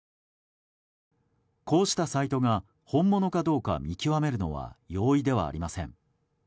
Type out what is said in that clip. こうしたサイトが本物かどうか見極めるのは容易ではありません。